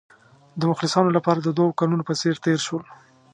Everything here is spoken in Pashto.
د مخلصانو لپاره د دوو کلونو په څېر تېر شول.